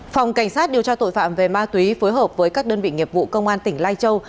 phòng cảnh sát điều tra tội phạm về ma túy phối hợp với các đơn vị nghiệp vụ công an tỉnh lai châu